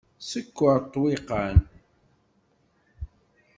Sekkeṛ ṭṭwiqan.